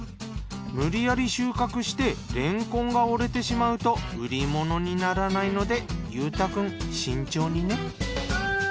無理やり収穫してれんこんが折れてしまうと売り物にならないので裕太くん慎重にね。